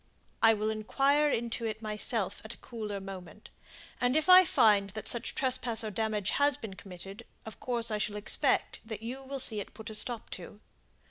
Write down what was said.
"I will inquire into it myself at a cooler moment; and if I find that such trespass or damage has been committed, of course I shall expect that you will see it put a stop to.